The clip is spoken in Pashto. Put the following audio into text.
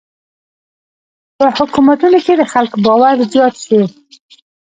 په حکومتونو د خلکو باور زیات شي.